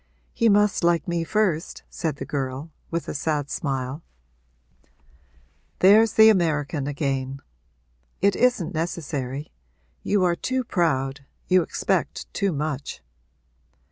'He must like me first,' said the girl, with a sad smile. 'There's the American again! It isn't necessary. You are too proud you expect too much.'